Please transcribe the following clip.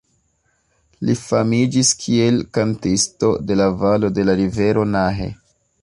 Li famiĝis kiel „kantisto de la valo de la rivero Nahe“.